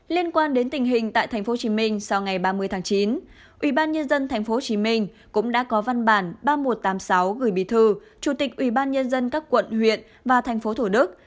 liên quan đến tình hình tại tp hcm sau ngày ba mươi tháng chín ubnd tp hcm cũng đã có văn bản ba nghìn một trăm tám mươi sáu gửi bí thư chủ tịch ubnd các quận huyện và tp thủ đức